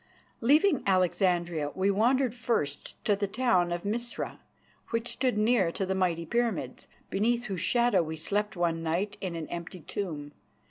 Leaving Alexandria, we wandered first to the town of Misra, which stood near to the mighty pyramids, beneath whose shadow we slept one night in an empty tomb.